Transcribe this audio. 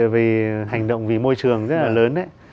về hành động về môi trường rất là lớn